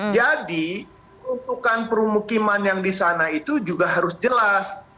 jadi peruntukan perumukiman yang di sana itu juga harus jelas